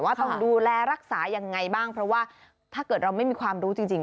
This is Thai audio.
ต้องดูแลรักษายังไงบ้างเพราะว่าถ้าเกิดเราไม่มีความรู้จริง